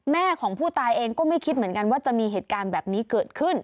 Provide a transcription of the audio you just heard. แม่ของผู้ตายเองก็ไม่คิดเหมือนกันว่าจะมีเหตุการณ์แบบนี้เกิดขึ้น